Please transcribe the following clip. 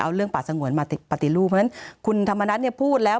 เอาเรื่องป่าสงวนมาปฏิรูปเพราะฉะนั้นคุณธรรมนัฐเนี่ยพูดแล้ว